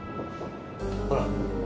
ほら。